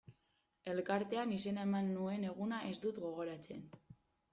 Elkartean izena eman nuen eguna ez dut gogoratzen.